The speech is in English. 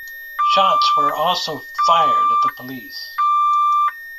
Shots were also fired at the police.